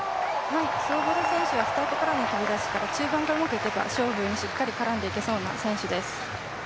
スウォボダ選手はスタートからの飛び出しが中盤がうまくいけば勝負にしっかり絡んでいけそうな選手です。